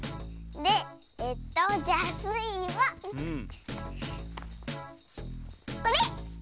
でえっとじゃあスイはこれ！